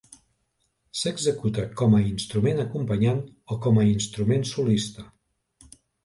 S'executa com a instrument acompanyant o com a instrument solista.